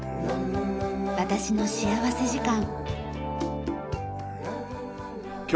『私の幸福時間』。